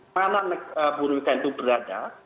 mana buru kita itu berada